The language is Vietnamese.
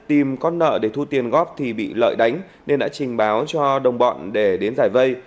tìm con nợ để thu tiền góp thì bị lợi đánh nên đã trình báo cho đồng bọn để đến giải vây